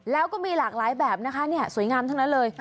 แล้วก็มีหลากหลายเนื้อสวยงามทั้งนั้นเลย